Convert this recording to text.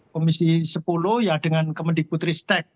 komisi sepuluh ya dengan kemendik putri stek